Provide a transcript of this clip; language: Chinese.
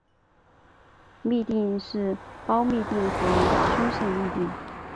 嘧啶是胞嘧啶和胸腺嘧啶。